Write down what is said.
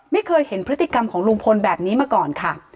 ไม่เคยเห็นพฤติกรรมของลุงพลแบบนี้มาก่อนค่ะ